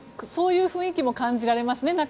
そういう雰囲気も感じられますね。